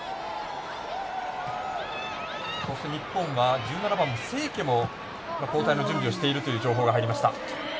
日本は１７番、清家も交代の準備をしているという情報が入りました。